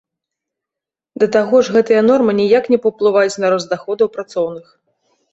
Да таго ж гэтыя нормы ніяк не паўплываюць на рост даходаў працоўных.